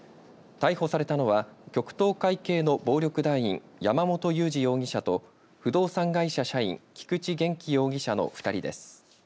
逮捕されたのは極東会系の暴力団員山本裕二容疑者と不動産会社社員菊池元気容疑者の２人です。